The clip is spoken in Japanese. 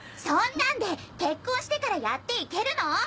そんなんで結婚してからやっていけるの！？